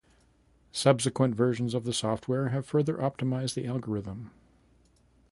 Subsequent versions of the software have further optimized the algorithm.